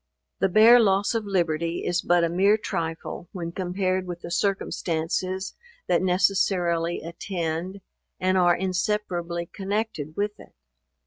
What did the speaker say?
The bare loss of liberty is but a mere trifle when compared with the circumstances that necessarily attend, and are inseparably connected with it.